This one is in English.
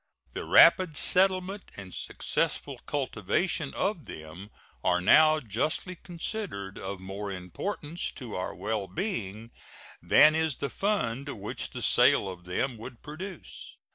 The rapid settlement and successful cultivation of them are now justly considered of more importance to our well being than is the fund which the sale of them would produce.